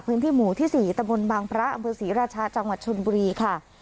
พื้นที่หมู่ที่๔ตะบนบางพระอำเภอศรีราชาจังหวัดชนบุรีค่ะ